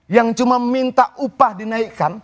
yang cuma minta upah dinaikkan